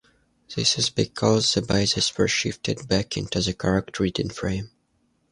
This is because the bases were shifted back into the correct reading frame.